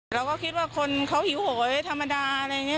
เราก็คิดว่าคนเขาหิวโหยธรรมดาอะไรอย่างนี้